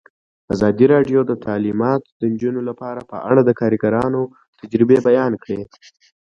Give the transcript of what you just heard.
ازادي راډیو د تعلیمات د نجونو لپاره په اړه د کارګرانو تجربې بیان کړي.